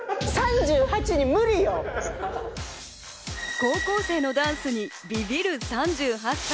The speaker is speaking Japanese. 高校生のダンスにビビる３８歳。